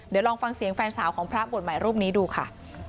เดี๋ยวลองฟังเสียงแฟนสาวของพระบวชใหม่รูปนี้ดูค่ะ